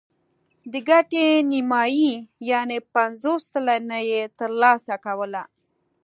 د ګټې نیمايي یعنې پنځوس سلنه یې ترلاسه کوله.